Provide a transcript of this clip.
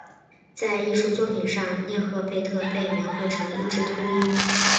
在艺术作品上涅赫贝特被描绘成一只秃鹰。